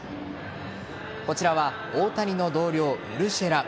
こちらは大谷の同僚・ウルシェラ。